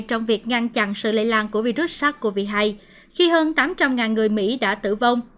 trong việc ngăn chặn sự lây lan của virus sars cov hai khi hơn tám trăm linh người mỹ đã tử vong